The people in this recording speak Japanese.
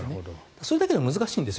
それだけ難しいんですよ